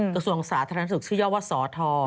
กระทรวงศาสตร์ธะละนะสุขชื่อย่อว่าสธ